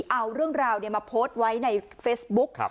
เอาเรื่องราวมาโพสต์ไว้ในเฟซบุ๊ก